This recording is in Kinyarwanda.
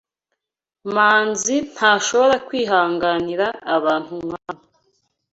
Manzi ntashobora kwihanganira abantu nkabo.